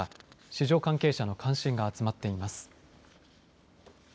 市場関係者の関心が集まっています。